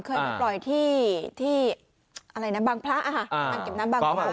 เคยปล่อยที่ที่อันเก็บน้ำบางพระ